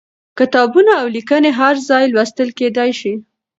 کتابونه او ليکنې هر ځای لوستل کېدای شي.